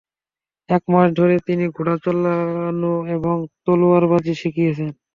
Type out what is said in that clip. এক মাস ধরে তিনি ঘোড়া চালানো এবং তলোয়ারবাজি শিখছেন।